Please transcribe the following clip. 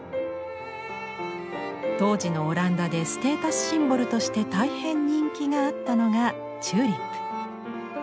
当時のオランダでステータスシンボルとして大変人気があったのがチューリップ。